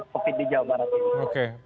covid di jawa barat ini